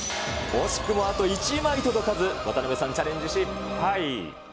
惜しくもあと１枚届かず、渡辺さん、チャレンジ失敗。